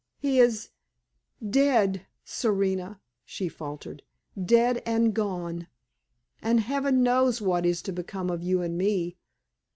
"He is dead, Serena!" she faltered "dead and gone! And Heaven only knows what is to become of you and me!